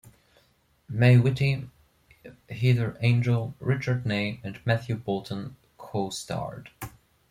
May Whitty, Heather Angel, Richard Ney and Matthew Boulton costarred.